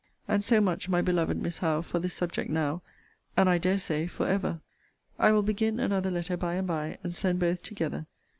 And so much, my beloved Miss Howe, for this subject now, and I dare say, for ever! I will begin another letter by and by, and send both together.